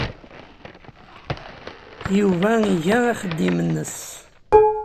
Yuba iga axeddim-nnes.